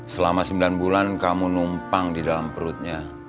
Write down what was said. selama sembilan bulan kamu numpang di dalam perutnya